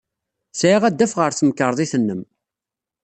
Sɛiɣ adaf ɣer temkarḍit-nnem.